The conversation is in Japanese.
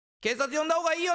呼んだほうがいい！